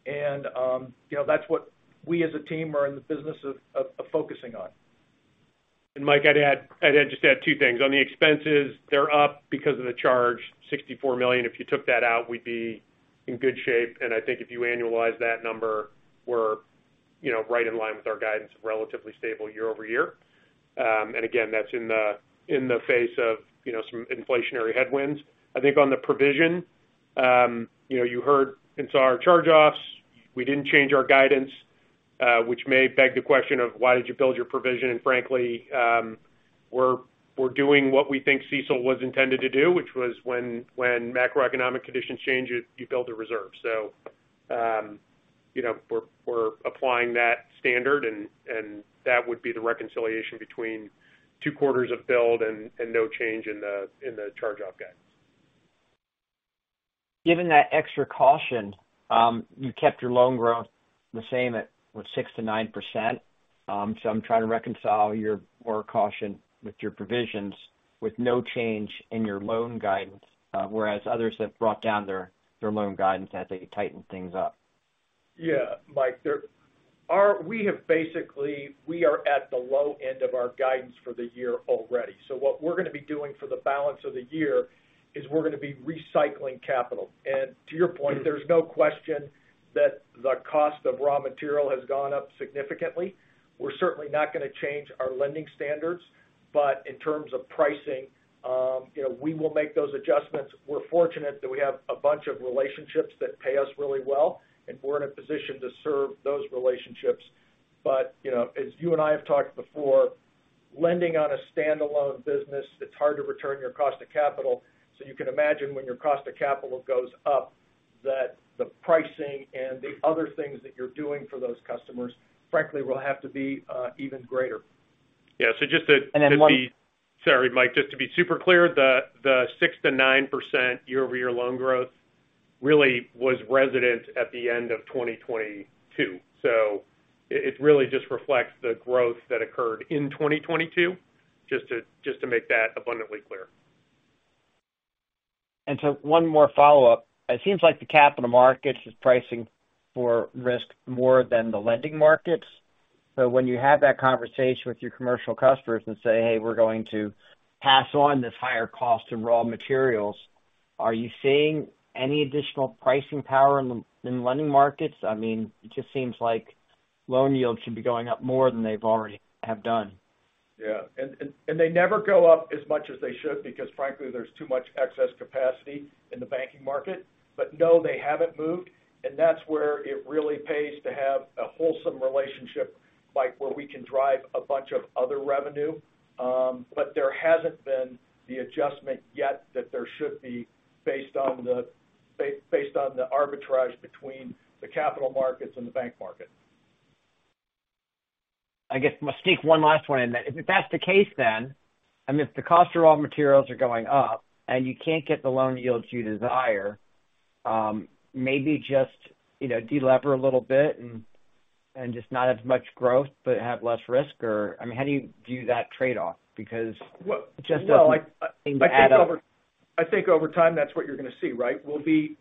You know, that's what we as a team are in the business of focusing on. Mike, I'd just add two things. On the expenses, they're up because of the charge, $64 million. If you took that out, we'd be in good shape. I think if you annualize that number, we're, you know, right in line with our guidance of relatively stable year-over-year. Again, that's in the face of, you know, some inflationary headwinds. I think on the provision, you know, you heard and saw our charge-offs. We didn't change our guidance, which may beg the question of why did you build your provision? Frankly, we're doing what we think CECL was intended to do, which was when macroeconomic conditions change, you build a reserve. you know, we're applying that standard and that would be the reconciliation between two quarters of build and no change in the charge-off guidance. Given that extra caution, you kept your loan growth the same at what? 6%-9%. I'm trying to reconcile your more caution with your provisions with no change in your loan guidance, whereas others have brought down their loan guidance as they tighten things up. Yeah. Mike, we are at the low end of our guidance for the year already. What we're gonna be doing for the balance of the year is we're gonna be recycling capital. To your point, there's no question that the cost of raw material has gone up significantly. We're certainly not gonna change our lending standards, but in terms of pricing, you know, we will make those adjustments. We're fortunate that we have a bunch of relationships that pay us really well, and we're in a position to serve those relationships. You know, as you and I have talked before, lending on a standalone business, it's hard to return your cost to capital. You can imagine when your cost to capital goes up, that the pricing and the other things that you're doing for those customers, frankly, will have to be even greater. Yeah. And then one- Sorry, Mike. Just to be super clear, the 6%-9% year-over-year loan growth really was resident at the end of 2022. It really just reflects the growth that occurred in 2022, just to make that abundantly clear. One more follow-up. It seems like the capital markets is pricing for risk more than the lending markets. When you have that conversation with your commercial customers and say, "Hey, we're going to pass on this higher cost of raw materials," are you seeing any additional pricing power in the lending markets? I mean, it just seems like loan yields should be going up more than they've already have done. Yeah. They never go up as much as they should because frankly, there's too much excess capacity in the banking market. No, they haven't moved, and that's where it really pays to have a wholesome relationship, like where we can drive a bunch of other revenue. There hasn't been the adjustment yet that there should be based on the arbitrage between the capital markets and the bank market. I guess I'm gonna sneak one last one in then. If that's the case then, I mean, if the cost of raw materials are going up and you can't get the loan yields you desire, maybe just, you know, de-lever a little bit and just not have as much growth, but have less risk or? I mean, how do you view that trade-off? Well- It just doesn't seem to add up. I think over time that's what you're gonna see, right? We'll be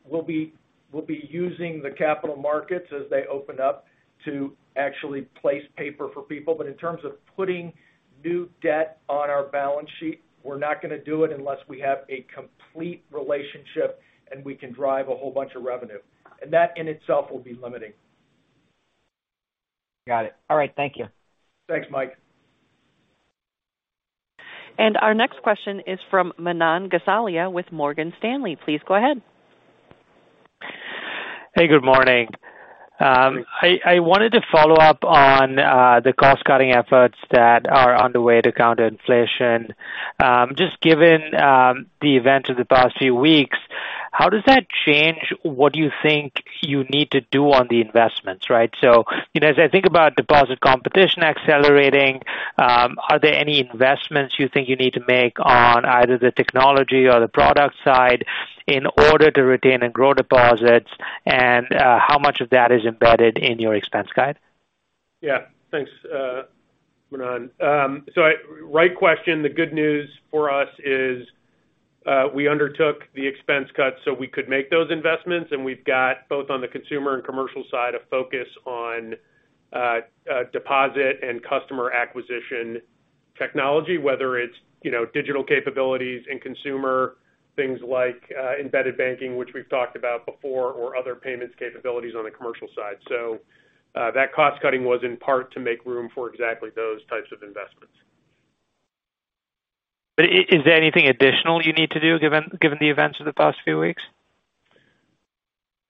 using the capital markets as they open up to actually place paper for people. But in terms of putting new debt on our balance sheet, we're not gonna do it unless we have a complete relationship and we can drive a whole bunch of revenue. That in itself will be limiting. Got it. All right. Thank you. Thanks, Mike. Our next question is from Manan Gosalia with Morgan Stanley. Please go ahead. Hey, good morning. I wanted to follow up on the cost-cutting efforts that are underway to counter inflation. Just given the events of the past few weeks, how does that change what you think you need to do on the investments, right? You know, as I think about deposit competition accelerating, are there any investments you think you need to make on either the technology or the product side in order to retain and grow deposits? How much of that is embedded in your expense guide? Yeah. Thanks, Manan. Right question. The good news for us is, we undertook the expense cuts so we could make those investments. We've got both on the consumer and commercial side, a focus on, deposit and customer acquisition technology, whether it's, you know, digital capabilities in consumer, things like, embedded banking, which we've talked about before, or other payments capabilities on the commercial side. That cost cutting was in part to make room for exactly those types of investments. is there anything additional you need to do given the events of the past few weeks?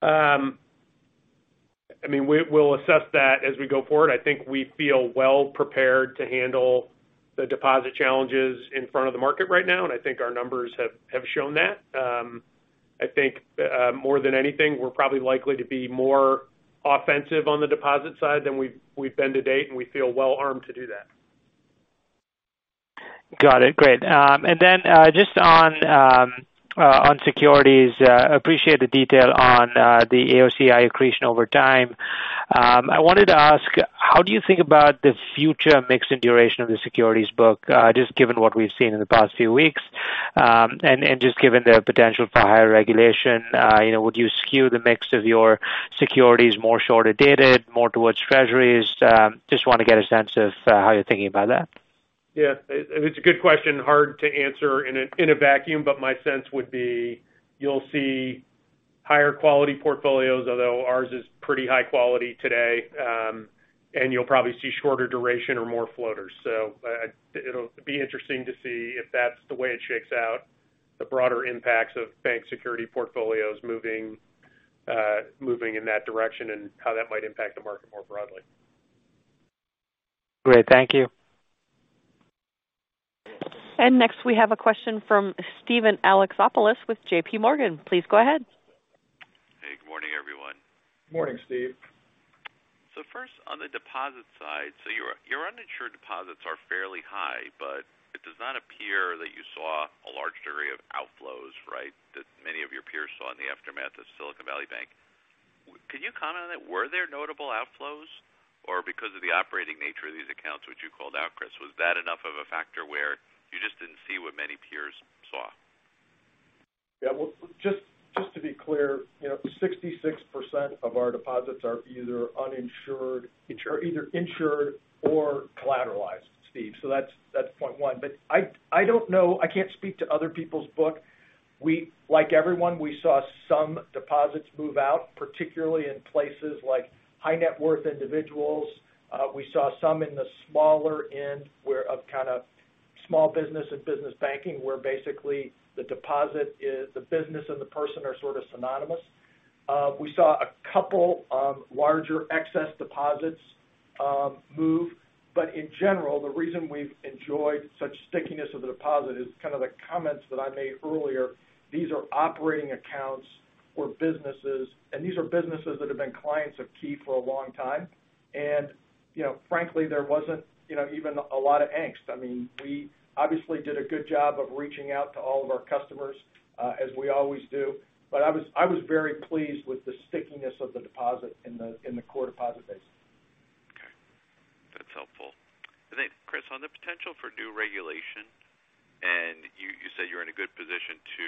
I mean, we'll assess that as we go forward. I think we feel well prepared to handle the deposit challenges in front of the market right now, and I think our numbers have shown that. I think, more than anything, we're probably likely to be more offensive on the deposit side than we've been to date, and we feel well-armed to do that. Got it. Great. Then, just on securities, appreciate the detail on the AOCI accretion over time. I wanted to ask, how do you think about the future mix and duration of the securities book, just given what we've seen in the past few weeks? And just given the potential for higher regulation, you know, would you skew the mix of your securities more shorter dated, more towards Treasuries? Just wanna get a sense of how you're thinking about that. Yeah. It's a good question. Hard to answer in a vacuum, but my sense would be you'll see higher quality portfolios, although ours is pretty high quality today, and you'll probably see shorter duration or more floaters. It'll be interesting to see if that's the way it shakes out the broader impacts of bank security portfolios moving in that direction and how that might impact the market more broadly. Great. Thank you. Next we have a question from Steven Alexopoulos with JP Morgan. Please go ahead. Hey, good morning, everyone. Morning, Steve. First on the deposit side. Your uninsured deposits are fairly high, but it does not appear that you saw a large degree of outflows, right, that many of your peers saw in the aftermath of Silicon Valley Bank. Can you comment on that? Were there notable outflows? Or because of the operating nature of these accounts, which you called out, Chris, was that enough of a factor where you just didn't see what many peers saw? Well, just to be clear, you know, 66% of our deposits are either uninsured, are either insured or collateralized, Steve. That's point one. I don't know. I can't speak to other people's book. Like everyone, we saw some deposits move out, particularly in places like high net worth individuals. We saw some in the smaller end where of kind of small business and business banking, where basically the business and the person are sort of synonymous. We saw a couple of larger excess deposits move. In general, the reason we've enjoyed such stickiness of the deposit is kind of the comments that I made earlier. These are operating accounts for businesses, and these are businesses that have been clients of Key for a long time. And, you know, frankly, there wasn't, you know, even a lot of angst. I mean, we obviously did a good job of reaching out to all of our customers, as we always do. I was very pleased with the stickiness of the deposit in the, in the core deposit base. On the potential for new regulation, you said you're in a good position to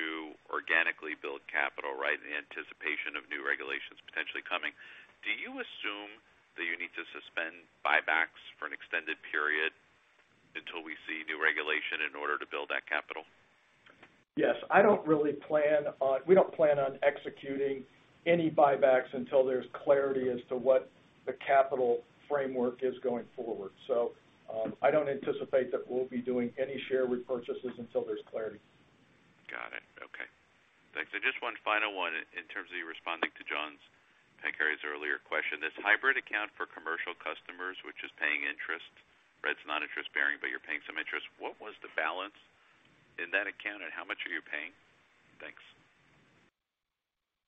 organically build capital, right, in anticipation of new regulations potentially coming. Do you assume that you need to suspend buybacks for an extended period until we see new regulation in order to build that capital? Yes. We don't plan on executing any buybacks until there's clarity as to what the capital framework is going forward. I don't anticipate that we'll be doing any share repurchases until there's clarity. Got it. Okay. Thanks. Just one final one in terms of you responding to John Pancari's earlier question. This hybrid account for commercial customers, which is paying interest, right? It's not interest-bearing, but you're paying some interest. What was the balance in that account, and how much are you paying? Thanks.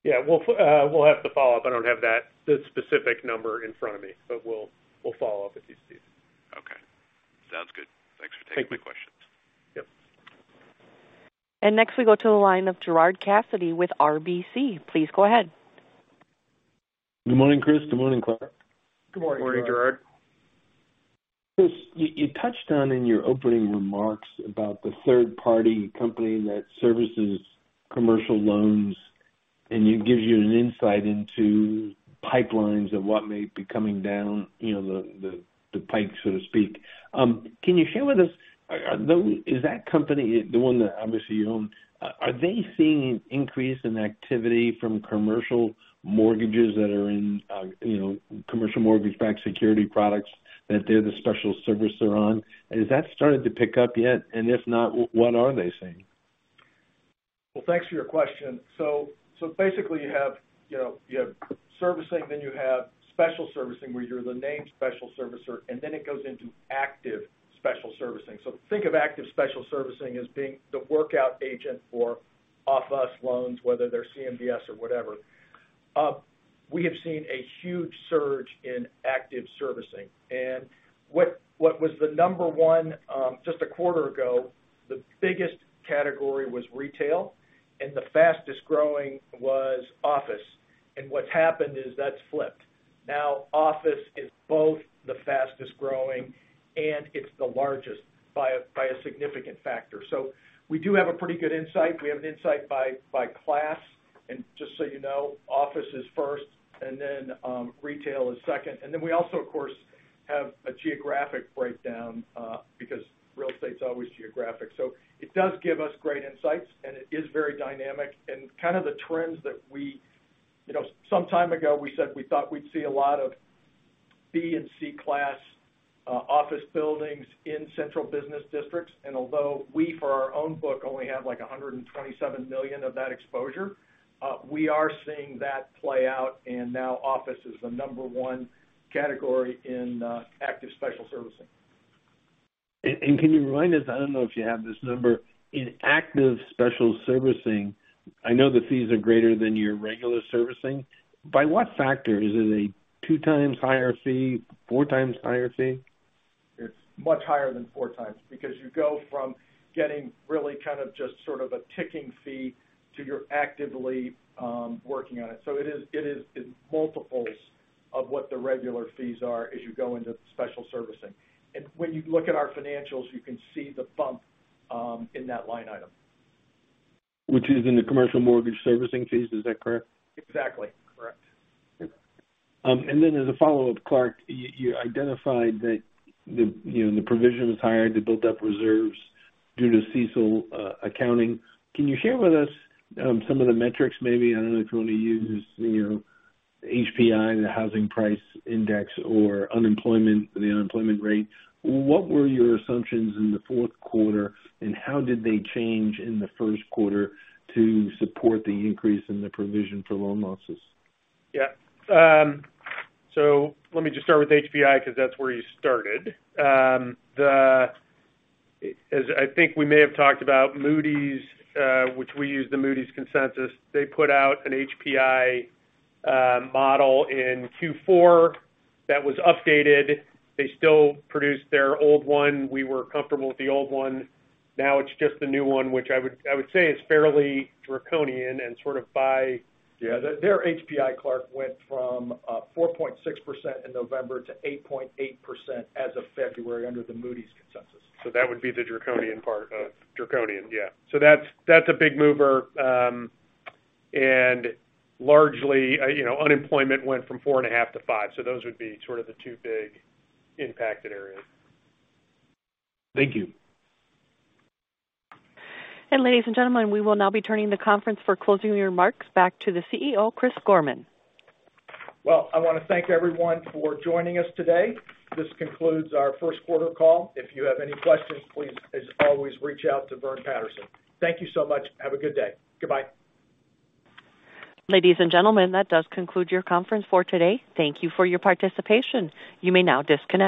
Yeah. We'll, we'll have to follow up. I don't have that, the specific number in front of me, but we'll follow up with you, Steve. Okay. Sounds good. Thanks for taking the questions. Yep. Next we go to the line of Gerard Cassidy with RBC. Please go ahead. Good morning, Chris. Good morning, Clark. Good morning. Good morning, Gerard. Chris, you touched on in your opening remarks about the third-party company that services commercial loans, and it gives you an insight into pipelines of what may be coming down, you know, the pike, so to speak. Can you share with us, is that company the one that obviously you own? Are they seeing an increase in activity from commercial mortgages that are in, you know, commercial mortgage-backed security products that they're the special servicer on? Has that started to pick up yet? If not, what are they seeing? Well, thanks for your question. Basically you have, you know, you have servicing, then you have special servicing where you're the named special servicer, and then it goes into active special servicing. Think of active special servicing as being the workout agent for off-us loans, whether they're CMBS or whatever. We have seen a huge surge in active servicing. What was the number one, just a quarter ago, the biggest category was retail, and the fastest-growing was office. What's happened is that's flipped. Now office is both the fastest-growing, and it's the largest by a significant factor. We do have a pretty good insight. We have an insight by class. Just so you know, office is first, and then, retail is second. Then we also of course have a geographic breakdown, because real estate's always geographic. It does give us great insights, and it is very dynamic. Kind of the trends that we, you know, some time ago we said we thought we'd see a lot of B and C class office buildings in central business districts. Although we for our own book only have, like, $127 million of that exposure, we are seeing that play out. Now office is the number 1 category in active special servicing. And can you remind us, I don't know if you have this number. In active special servicing, I know the fees are greater than your regular servicing. By what factor? Is it a two times higher fee, four times higher fee? It's much higher than 4x because you go from getting really kind of just sort of a ticking fee to you're actively working on it. It is, it is in multiples of what the regular fees are as you go into special servicing. When you look at our financials, you can see the bump in that line item. Which is in the commercial mortgage servicing fees. Is that correct? Exactly. Correct. Okay. As a follow-up, Clark, you identified that the, you know, the provision is higher to build up reserves due to CECL accounting. Can you share with us some of the metrics maybe? I don't know if you wanna use, you know, HPI, the housing price index or unemployment, the unemployment rate. What were your assumptions in the fourth quarter, and how did they change in the first quarter to support the increase in the provision for loan losses? Yeah. Let me just start with HPI because that's where you started. As I think we may have talked about Moody's, which we use the Moody's consensus. They put out an HPI model in Q4 that was updated. They still produced their old one. We were comfortable with the old one. Now it's just the new one which I would say it's fairly draconian and sort of by- Their HPI, Clark, went from 4.6% in November to 8.8% as of February under the Moody's consensus. Draconian, yeah. That's a big mover. And largely, you know, unemployment went from 4.5-5. Those would be sort of the two big impacted areas. Thank you. Ladies and gentlemen, we will now be turning the conference for closing remarks back to the CEO, Chris Gorman. Well, I want to thank everyone for joining us today. This concludes our first quarter call. If you have any questions, please, as always, reach out to Vernon Patterson. Thank you so much. Have a good day. Goodbye. Ladies and gentlemen, that does conclude your conference for today. Thank you for your participation. You may now disconnect.